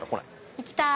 行きたい！